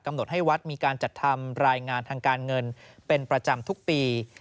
หดให้วัดมีการจัดทำรายงานทางการเงินเป็นประจำทุกปี